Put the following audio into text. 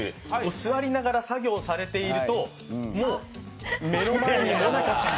座りながら作業されていると、もう目の前にもなかちゃん。